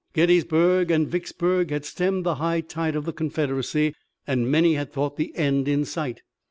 Gettysburg and Vicksburg had stemmed the high tide of the Confederacy, and many had thought the end in sight.